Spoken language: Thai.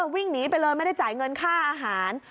วิ่งหนีไปเลยไม่ได้จ่ายเงินค่าอาหาร